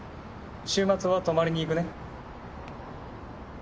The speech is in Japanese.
週末は泊まりに行くね」